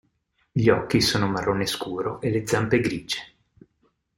Gli occhi sono marrone scuro e le zampe grigie.